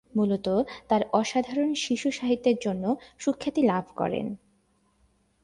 মূলত তার অসাধারণ শিশু সাহিত্যের জন্য সুখ্যাতি লাভ করেন।